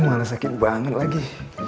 malah sakit banget lagi